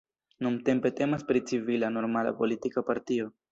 Nuntempe temas pri civila normala politika partio.